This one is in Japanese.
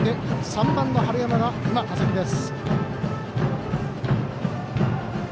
３番の春山が打席です。